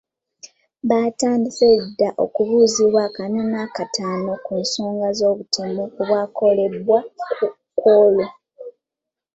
Baatandise dda okubuuzibwa ak'ana n’ak'ataano ku nsonga z’obutemu obwakolebwa ku olwo.